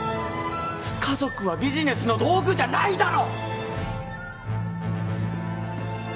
家族はビジネスの道具じゃないだろ！